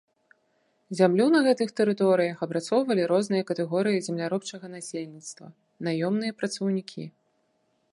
Зямлю на гэтых тэрыторыях апрацоўвалі розныя катэгорыі земляробчага насельніцтва, наёмныя працаўнікі.